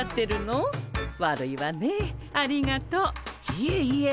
いえいえ。